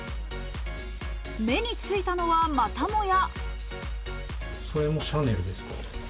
目についたのは、またもや。